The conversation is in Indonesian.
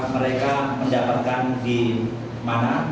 mereka mendapatkan di mana